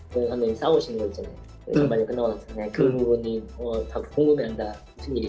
saya sangat sedih